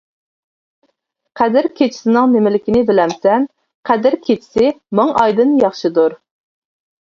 قەدىر كېچىسىنىڭ نېمىلىكىنى بىلەمسەن؟ قەدىر كېچىسى مىڭ ئايدىن ياخشىدۇر.